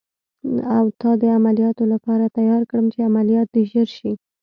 او تا د عملیاتو لپاره تیار کړم، چې عملیات دې ژر شي.